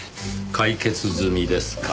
解決済みですか。